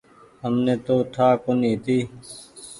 همني تو ٺآ ڪونيٚ هيتي۔